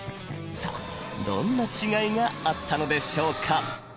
さあどんな違いがあったのでしょうか。